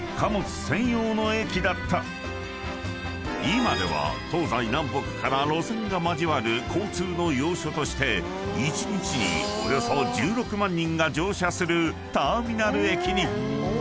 ［今では東西南北から路線が交わる交通の要所として１日におよそ１６万人が乗車するターミナル駅に］